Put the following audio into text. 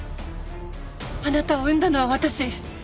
あなたを産んだのは私。